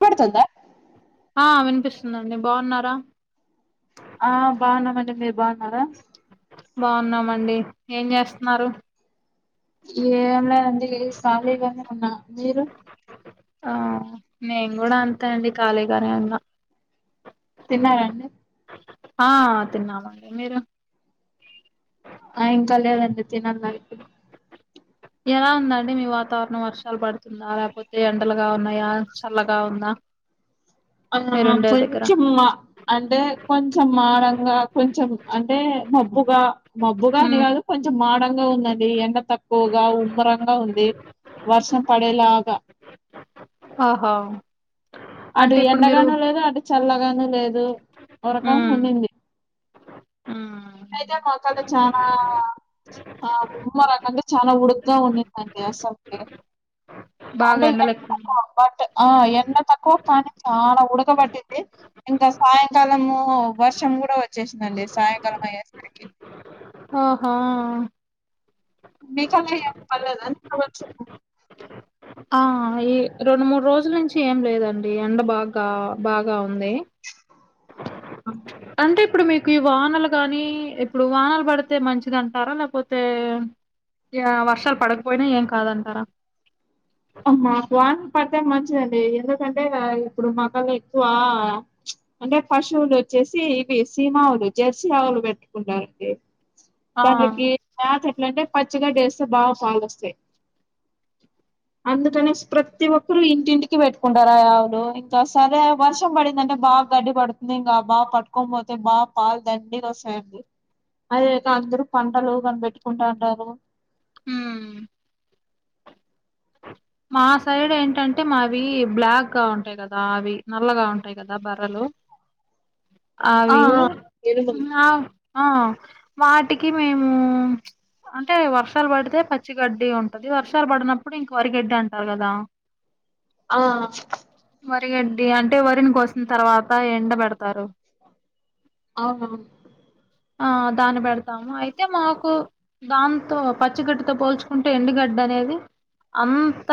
వినపడుతుంద ఆ వినిపిస్తుందండి బాగున్నారా ఆ బాగున్నామండి మీరు బాగున్నారా బాగున్నామండి ఏం చేస్తున్నారు ఏమ లేదండి అందుకే ఖాళీ గానే ఉన్నా మీరు ఆ నేను కూడా అంతా అండి ఖాళీగానే ఉన్నా తిన్నారండి ఆ తిన్నామండి మీరు ఆ ఇంకా లేదండి తినాలి ఎలా ఉందండి మీ వాతావరణం వర్షాలు లేపోతే ఎండలుగా ఉన్నాయా చల్లగా ఉందా ఆ మీరుండే దగ్గర కొంచెం మా అంటే కొంచెం మారంగా కొంచెం అంటే మబ్బుగా మబ్బుగా అని ఉమ్ కాదు కొంచెం మాడ గా ఉందండి ఎండ తక్కువగా ఉమ్మరంగా ఉంది వర్షం పడేలాగా ఆహ అటు ఎండగాను లేదు అటు చల్లగాను లేదు ఓ రకంగా కొన్నింది ఆ అయితే మాక్కడ చాలా ఆ ఓ రకంగా చాలా ఉడుకుగా ఉందండి అసలుకి బాగా అంటే ఎ ఎండలు ఎక్కు బట్ ఆ ఎండ తక్కువ కానీ చాలా ఉడకబట్టింది ఇంకా సాయంకాలము వర్షం కూడా వచ్చేసిందండి సాయంకాలం అయ్యేసరికి ఆహా మేఘాలయ పాల అంత వ [unintelligible] ఆ ఈ రెండు మూడు రోజుల నుంచి ఏం లేదండి ఎండ బాగా బాగా ఉంది అంటే ఇప్పుడు మీకు ఈ వానలు గాని ఇప్పుడు వానలు పడితే మంచిది అంటారా లేకపోతే వర్షాలు పడకపోయినా ఏం కాదంటారా అ మాకు వానలు అ మంచిదండి ఎందుకంటే ఇప్పుడు మా కెళ్ళి ఎక్కువ అంటే పశువులు వచ్చే ఇవి సిమావులు జెర్సీ ఆవులు పెట్టుకుంటారండి ఆ దానికి ఎట్లంటే పచ్చి గడ్డి వేస్తే బాగా పాలోస్తాయి అందుకనేసి ప్రతి ఒక్కరు ఇంటింటికి పెట్టుకుంటారు ఆ ఆవులు ఇంకా సరే వర్షం పడిందంటే గడ్డి పడుతుంది ఇంకా బాగా పట్టుకోని పోతే బాగా పాలు దండిగా వస్తాయండి అదెక్కా అందరు పంటలు కనిపెట్టుకుంటా ఉంటారు. మ్ [inaudible] మా సైడ్ ఏంటంటే మావి బ్లాక్ గా ఉంటాయి. కదా అవి నల్లగా ఉంటాయి కదా బర్రెలు. [inaudible] అవి ఆ ఎరువులు వేరు వాటికి మేము అంటే వర్షాలు పడితే పచ్చిగడ్డి ఉంటది. వర్షాలు పడినప్పుడు ఇప్పుడు ఇంక వరిగడ్డి అంటారు కదా ఆ వరిగడ్డి అంటే వరిని కోసిన తర్వాత ఎండ పెడతారు. అవును ఆ దాన్ని పెడతాము. అయితే మాకు దాంతో పచ్చిగడ్డితో పోల్చుకుంటే ఎండుగడ్డి అదేంది అంత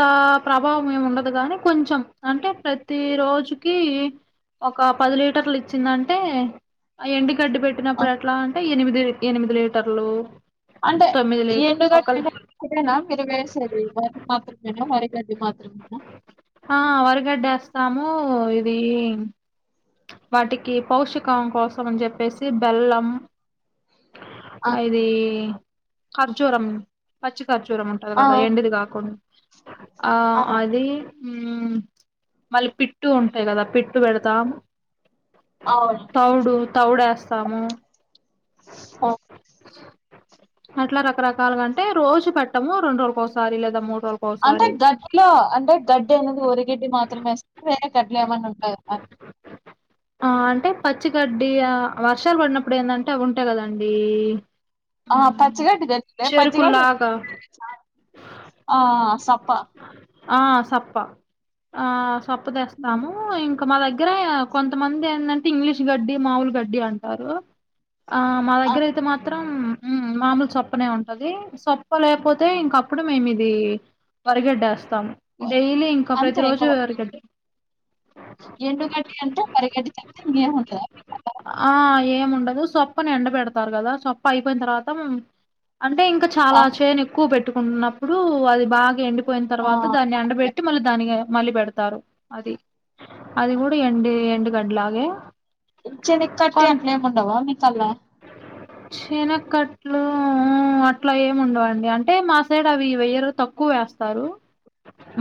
ప్రభావం ఏమి ఉండదు. కాని కొంచెం అంటే ప్రతి రోజుకి ఒక పది లీటర్లు ఇచ్చిందంటే ఆ ఎండు గడ్డి ఆ, పెట్టినప్పుడు ఎట్లా అంటే ఎనిమిది ఎనిమిది లీటర్లు అంటే తొమ్మిది లీటర్ ఒక ఎండుగడ్డి ఒకటేనా మీరు వేసేది. మాత్రమేనా వరిగడ్డి మాత్రమేనా వస్తాము ఇది వాటికి పాషికం కోసం అని చెప్పేసి బెల్లం అది ఖర్జూరం పచ్చి ఖర్జూరం ఉంటది ఆ కదా అది ఎండూది కాకుండా ఆ అది ఉ మళ్ళీ పిట్టు ఉంటాయి కదా పిట్టు పెడతాం తౌడు తౌడు వేస్తాము. ఆ అట్లా రకరకాలుగాంటే రోజు పెట్టము రెండు రోజుకో ఒకసారి లేదా మూడు అంటే రోజులకోసారి గడ్డిలో అంటే గడ్డి అనేది వరిగడ్డి మాత్రమేస్తరా గడ్లులో ఏమన్నా ఉంటాయి అని ఆ అంటే పచ్చిగడ్డి ఆ వర్షాలు పడినప్పుడు ఏంటంటే అవి ఉంటాయి కదండి ఆ మ్మ్ పచ్చిగడ్డి దింటే పచ్చిగడ్డి చెరుకుల్లాగా ఆ సప్ప ఆ సప్ప ఆ సొప్పు ఉమ్. తెస్తాము ఇంకా ఇంకా మా దగ్గర కొంతమంది ఏంటంటే ఇంగ్లీష్ గడ్డి మాముూలు గడ్డి అంటారు. ఆ మా దగ్గర అయితే మాత్రం మామూలు సొప్పనే ఉంటది సొప్ప లేకపోతే ఇంకా అప్పుడు మేము ఇది వరిగడ్డి వస్తాము. డైలీ ఇంకా ప్రతి రోజు వరిగడ్డి ఎండు గడ్టి అంటే వరిగడ్టి తప్ప ఇంకేం ఉండదా ఉండదు సొప్పని ఎండ పెడతారు కదా సొప్ప అయిపోయిన తర్వాత అంటే ఇంకా ఆ చాలా చేన్ ఎక్కువ పెట్టుకుంటున్నప్పుడు అది బాగా ఎండి పోయిన ఆ తర్వాత దాన్ని ఎండబెట్టి మళ్ళీ దాని మళ్ళీ పెడతారు. అది అది కూడా ఎండు గడ్డిలాగే చెని కట్టి అట్లే ఏముండవా మీకల్లా చినకట్లు అట్లా ఏమి ఉండవండి. అంటే మా సైడ్ అవి వేయరు తక్కువ వేస్తారు.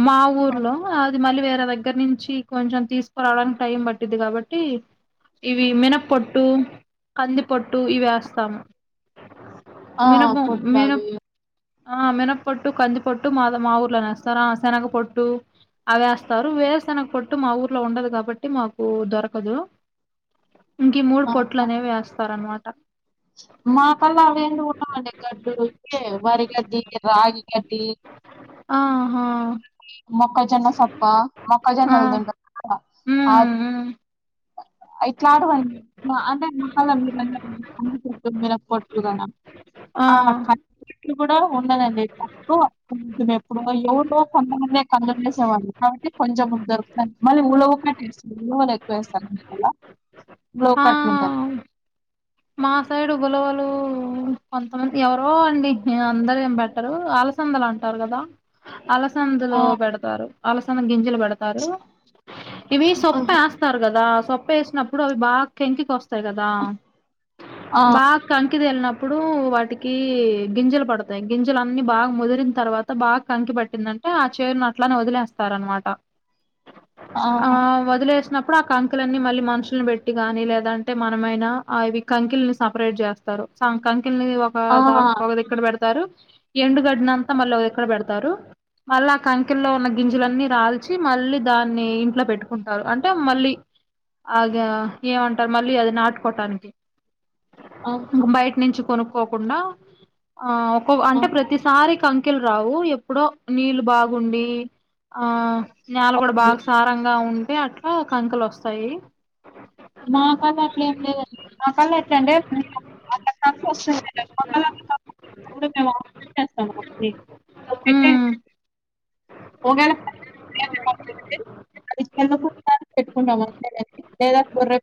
మా ఆ ఊర్లో అది మళ్ళ వేర దగ్గర నుంచి కొంచెం తీసుకురావడానికి టైం పట్టిద్ది కాబట్టి ఇవి మినపొట్టు, కంది పొట్టు ఇవి వేస్తాము ఆ, మినపు పొట్లు అవి మినపు మే పొట్టు కందిపొట్టు మాది మా ఊర్ల నేస్తారు ఆ శనగపొట్టు అదేస్తారు వేరుసెనగ పొట్టు మా ఊర్లో ఉండదు గాబట్టి మాకు దొరకదు ఇంకీ మూడ్ ఆహా! పొట్లనేవి వేస్తార అన్మాట మాకల్లా అవేం ఉండవండి గడ్డు ఇవే వరిగడ్డి, రాగి కట్టి ఆహా క్కొజన్న సప్ప ఆ మొక్కజన్నల్దంట మ్ మ్ అయి చేతవాయిన్ అంటే చెత్తందరా పట్టుగా ఆ [inaudible] కుడా ఉండదండి తక్కువ కొంచం ఎప్పుడో ఎవురో కొందమందే కంద వేసేవాళ్ళు కాబట్టి కొంజెం దొరుకుతాయ్ మళ్లీ ఊళ్లో [inaudible] ఊరు వాళ్ళు ఎక్కువేస్తారు ఆ మాసైడు ఉలవలు కొంతమంది ఎవరో అండి ఇగ అందరు ఏం బెట్టరు అసందలంటారు గదా అలసందులో ఆ! బెడతారు అలసందల గింజ గొడతారు ఇవి సొప్పేస్తారు సొప్పేసినప్పుడు అవి బాగ్ కెంకికొస్తాయి గదా ఆ! బాగ్ వెళ్లినప్పుడు వాటికి గింజలు బడతాయి గింజలన్ని బాగ్ ముదిరిన తర్వాత బాగ్ కంకి బట్టిందంటే ఆ చేనును అట్లానే వదిలేస్తారనమాట ఆ వదిలేసిన ప్పుడు ఆ కంకులన్నీ మళ్ళీ మనుషులను పెట్టిగాని లేదంటే మనమైనా అవి కంకిల్ని సపరేట్ జేస్తారు సం కంకిల్ని ఒక ఆ! దా ఒక దక్కిడ పెడతారు ఎండుగడ్నంతా మళ్ళీ ఒదిక్కడ బెడతారు మళ్ళా ఆ కంకెల్లో ఉన్న గింజలన్నీ రాల్చి మళ్ళీ దాన్ని ఇంట్లో పెట్టుకుంటారు అంటే మళ్ళీ అగా ఏమంటారు మళ్ళీ అది నాట్కోటాన్ ఆహా! ఇంక బయట నుంచి కొనుక్కోకుండా ఆ ఒకౌ అంటే ఆహా! ప్రతిసారి కం రావు ఎప్పుడో నీళ్లు బాగుండి ఆ నేల గుడా ఓకే. బాగ్ సారం గా ఉంటే అట్లా కంకలు వస్తాయి ఆసండ్ ఎట్లంటే అట్లా కఫ్ వస్తుంటది. మా కల్లా అట్లా కఫ్ కూడా [inaudible] ఒక్కటే ఓహేలెప్పే ఎందుకు పెట్టుకుంటాం అంతేలే లేదా బొర్రె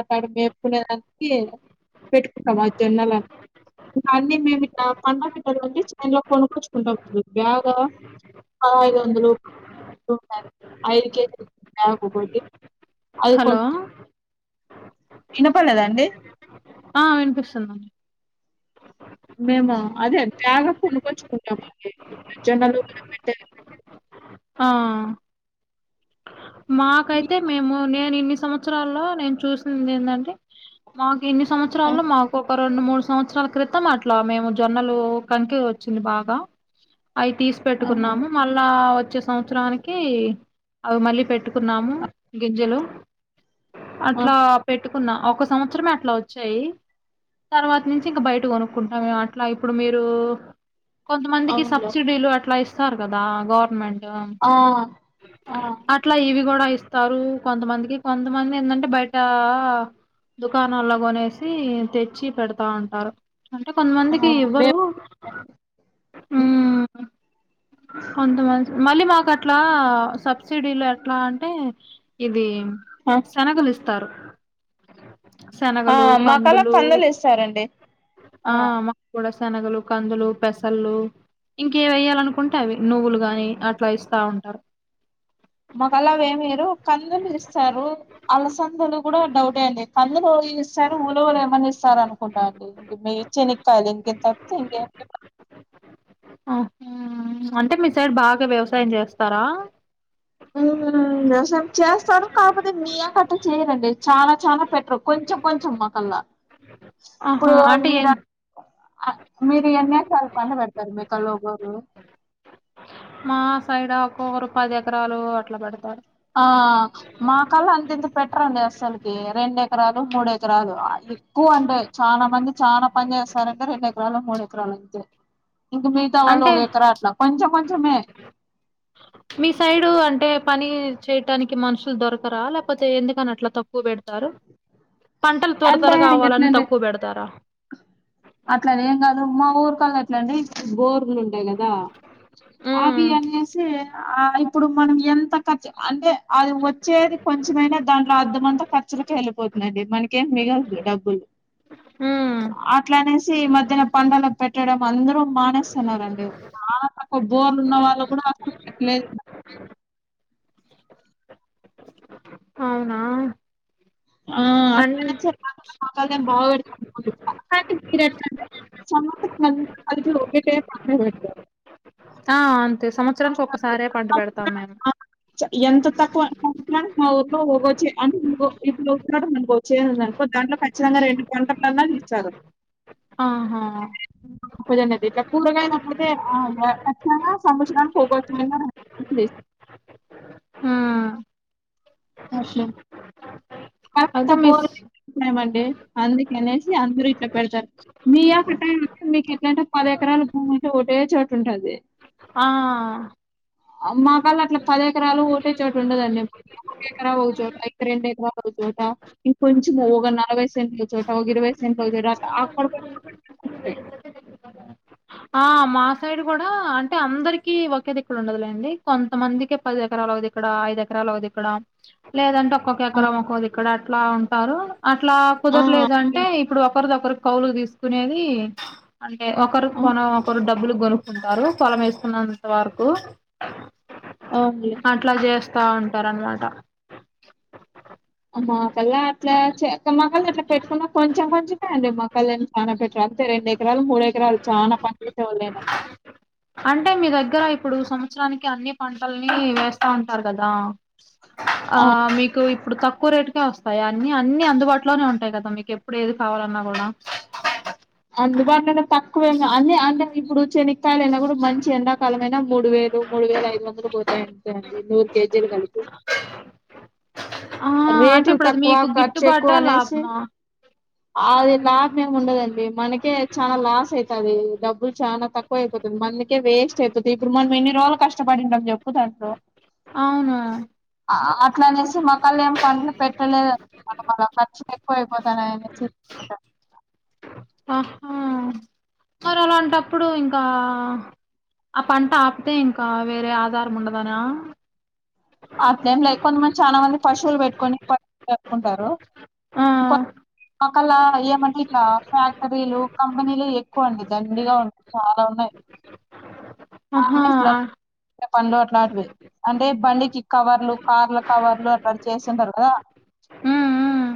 అటాంటివి మేపుకునేదానికి పెట్టుకుంటం అ జన్నలా ఇంక అన్నీ మేమిగ పండక్కి చైన్లో కొనుక్కొచ్చుకుంటా బ్యాగా ఆయిదొందలు ఐదు కే అది కొన్ హలో ఇనపడ్లేదా అండి ఆ వినిపిస్తుందండి మేము కెచ్చెండల్లు హా మాకైతే మేము నేనిన్ని సంవత్సరాల్లో నేను చూసింది ఏందంటే మాకు ఇన్ని ఆ! సంవత్సరాల్లో మాకొక రెండు మూ సంవత్సరాల క్రితం అట్లా మేము జొన్నలు కంకి వచ్చింది బాగా అవి తీసి ఆహా! పెట్టుకున్నాము మళ్ళా వచ్చే సంవత్సరానికి అవి మళ్ళీ పెట్టుకున్నాము గింజలు ఆ! అట్లా పెట్టు కున్నా ఒక సంవత్సరమే అట్లా వచ్చాయి తర్వాత నుంచి ఇంకా బయట కొనుక్కుంటా మే అట్లా ఇప్పుడు మీరు కొంతమందికి అవునులే. సబ్సిడీలు అట్లా ఇస్తారు కదా గవర్నమెంట్ ఆ! ఆ! అట్లా ఇవి కూడా ఇస్తారు కొంతమందికి కొంతమంది ఏందంటే బయట దుకాణల్లో కొనేసి తెచ్చి పెడతాంటారు అంటే ఆ! కొంతమందికి ఇవ్వరు మేము మ్మ్ అంత మంది మళ్ళీ మాకు అట్లా సబ్సిడీలు అట్లా అంటే ఇది ఆ! శనగలు ఇస్తారు ఆ! శనగలు మాకలా కందులు కందులిస్తారండి. ఆ మాకు కూడా శనగలు కందులు పెసళ్ళలు ఇంకేవేయ్యాలినుకు కుంటా అవి నువ్వులు గాని అట్లా ఇస్తా ఉంటారు మకలా ఏమి లేదు కందులు ఇస్తారు అలసందులు కూడా డౌటే అండి కందులు ఇస్తారు మూలలు ఏమన్నా ఇస్తారు స్తరు అనుకుంటా అండి ఇంక మీ చినక్కయి ఇంకేం తప్పతే ఇంకేం ఆ అంటే మీ సైడ్ బాగా వ్యవసాయం చేస్తారా కొంచెం చేస్తాడు కాకపోతే మీయాప్ కట్ట చేయరండి చాలా చాలా పెటరు కొంచెం కొంచెం మాకల్లా ఇప్పుడు ఆహా అంటే ఏం మీరు మీరు ఎన్నిసాల పడు పెడతారు మీ కలోగోరు మా సైడ్ ఒక్కొక్కరు పది ఎకరాలు అట్లా పెడతారు ఆ మాకల్లా అంతింత పెట్టరండి అసలుకి రెండు ఎకరాలు మూడు ఎకరాలు ఎక్కువ అంటే చాలా మంది చాలా పని చేస్తారంటే రెండు ఎకరాలు మూడు ఎకరాలు అంతే ఇంక మిగతా వాళ్ళు అంటే ఒక ఎకరా అట్లా కొంచె కొంచమే మీ సైడు అంటే పని చేయటానికి మనుషులు దొరకరా లేకపోతే ఎందుకని అట్లా తక్కువ పెడతారు పంటలు త్వరత్వరగా అవాలని తక్కువ పెడతారా అట్లా ఏం కాదు మా ఊరుకళ ఎట్లండి గోర్లు కదా అవి ఉమ్ అనేసి ఆ ఇప్పుడు మనం ఎంత ఖర్చు అంటే అది వచ్చేది కొంచెమైనా దాంట్లో అర్ధమంతా ఖర్చుగాకి వెళ్ళిపో అండి మనకేం మిగలదు డబ్బులు ఉమ్ అట్లానేసి ఈ మధ్యన పంటలు పెట్టడం అందరూ మానేస్తున్నండి ఆ తకు బోర్ ఉన్న వాళ్ళు కూడా అసలు పెట్టలేదు అవునా ఆ అన్ అక్కడ చెప్ప కదా [unintelligible] సమ అట పెతారు ఆ అంతే సంవత్సరాంనికి ఒకసారే పంట పెడతాం మేము చ ఎంత తక్కువ అ మా ఊర్లో పోగొచ్చి అనినుకో ఇప్పుడుస్తాడు అనుకోచ్చ అనుకో దానికి ఖచ్చితంగా రెండు కొంటలన్నా ఇచారు ఆహా ది ఇట్లా కూరగాప్పయితే ఆ సంవచిన ఫకనా ఉమ్ అలు అయితే బో మిస్ అందుకనేసి అందరు ఇట్లా పెడతారు మీ యొక్క టై అదే మీకు ఎట్లాంటే పది ఎకరాలు భూమి అన్నేసి ఓటే చోట్ ఉంటాది ఆ మా కల్ల అట్లా పది ఎకరాలు ఒకటే చోట ఉండదండి ఒక ఎకరా ఒక చోట రెండు ఎకరా చోట ఇంకొంచం ఒక నలభై సెంట్ల చోట ఒక ఇరవై సెంట్ లో చోట అక్కడ [unintelligible] ఆ మా సైడ్ కూడ అంటే అందరికి ఒకే [unintelligible] ఇక్కడ ఉండదులేండి కొంతమందికి పది ఎకర ఇక్కడ ఐదు ఎకరాలు ఒక దిక్కడ లేదంటే ఒక్కొక్క ఎక్కరం ఒక్కొది ఇక్కడ అట్లా ఉంటారు అట్లా ఆ! కుదరలేదు అంటే ఇప్పుడు ఒకరిదొకరి కౌలుకు తీసుకునేది అంటే ఒకరు ఆ! పొలం ఒకరు డబ్బులు కొనుక్కుంటారు పొలం వేస్తుకున్నంత వరకు అవునులే. అట్లా చేస్తా ఉంటారు అనమాట మా కల్లా అట్లా చే మా కల్లా అట్లా పెట్టుకున్న కొంచెం కొంచెమే అండి. మా కల్లేమో చానా పెట్టరు. అంతే ఎకరాలు మూడు ఎకరాలు చాన పనిచేసేవాళ్ళు అయిన అంటే మీ దగ్గర ఇప్పుడు సంవత్సరానికి అన్ని పన్ [unintelligible] వేస్తా ఉంటారు కదా ఆ మీకు ఇప్పుడు తక్కువ రేటుకే వస్తాయ అన్ని అన్ని అందుబాటులోనే ఉంటాయి కదా మీకు ఎప్పుడు ఏది కావాలన్నా కూడ [unintelligible] [unintelligible] కూడ మంచి ఎండాకాలం అయిన మూడు వేలు మూడు వేల ఐదు వందలు పోతాయి అంతే అండి నూరు కేజీలు [unintelligible] ఆ అంటే రేట్లు ఇప్పుడు అది తక్కువ మీకు ఖర్చు గిట్టుబాటా ఎక్కువ అనేసి లాభమా అది లాభ మేమి ఉండదండి మనకే చాలా లాస్ అవుతుది డబ్బులు చాలా తక్కువ అయిపోతుది [unintelligible] వేస్ట్ అయిపోతంది ఇప్పుడు మనం ఎన్ని రోజులు కష్టపడింటాం చెప్పు దాంట్లో ఆ ఆ అట్లా అనేసి మా కళ్ళ ఎం పంటలు పెట్టలేదు ఖర్చులు ఎక్కువ అయిపోతాన్న [unintelligible] మరి అలాంటప్పుడు ఇంకా ఆ పంట ఆపితే ఇంకా వేరే ఆధారం ఉండదనా ఆ టై లో కొంతమంది చాల మంది పశువులు పెట్టుకని పెట్టుకుంటారు ఆ [unintelligible] పక్కలా ఏమంటే ఇట్లా ఫ్యాక్టరీలు కంపెనీలు ఎక్కువ అండి దండిగా ఉంటయి చాలా ఉన్నాయి ఆహా గార్మెంట్స్ లో [unintelligible] అట్లాంటివి అంటే బండికి కవర్లు కార్ల కవర్లు [unintelligible] చేస్తుంటారు కదా ఉమ్ ఉమ్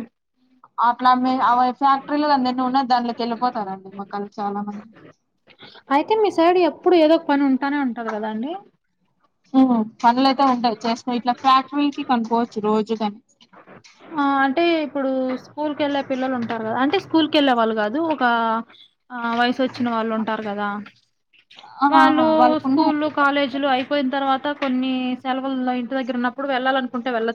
అట్లా అ ఫ్యాక్టరీలో అందరినీ ఉన్న దానిలోకి వెళ్ళిపోతారండి మాక్కలు చాలా మంది అయితే మీ సైడ్ ఎప్పుడు ఏదో ఒక పని ఉంటానే ఉంటది కదా అండి పనులు అయితే ఉంటాయి [unintelligible] ఇట్లా ఫ్యాక్టరీకి కనుక్కవచ్చు రోజుగాని ఆ అంటే ఇప్పుడు స్కూల్ కెళ్ళే పిల్లలు ఉంటారు కదా అంటే స్కూల్ వెళ్ళే వాళ్ళు కాదు ఒక వయసు వచ్చిన వాళ్ళు ఉంటారు కదా ఆ వాళ్ళు స్కూలు వాళ్ళకున్నాయి కాలేజీలు అయిపోయిన తర్వ కొన్ని సెలవులో ఇంటి దగ్గర ఉన్నప్పుడు వెళ్ళాలనుకుంటే వెళ్ళచ్చు